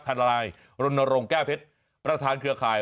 ทนายรณรงค์แก้วเพชรประธานเครือข่าย